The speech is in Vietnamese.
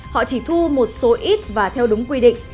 họ chỉ thu một số ít và theo đúng quy định